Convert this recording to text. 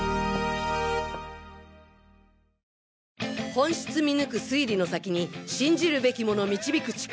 本質見抜く推理の先に信じるべきもの導く力